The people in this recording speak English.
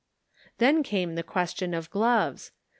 Then came the question of gloves.